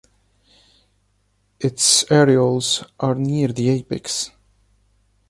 Its areoles are near the apex.